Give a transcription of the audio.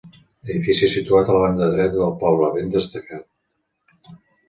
Edifici situat a la banda dreta del poble, ben destacat.